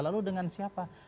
lalu dengan siapa